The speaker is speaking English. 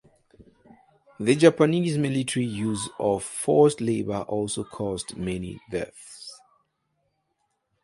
The Japanese military's use of forced labor also caused many deaths.